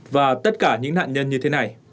và tất cả những nạn nhân như thế này